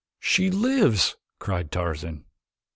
'" "She lives!" cried Tarzan.